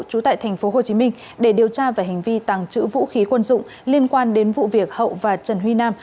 trú tại tp hcm để điều tra về hành vi tàng trữ vũ khí quân dụng liên quan đến vụ việc hậu và trần huy nam